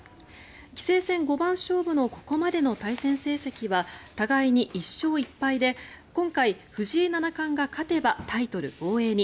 棋聖戦五番勝負のここまでの対戦成績は互いに１勝１敗で今回藤井七冠が勝てばタイトル防衛に。